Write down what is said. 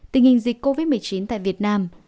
tình hình dịch covid một mươi chín tại việt nam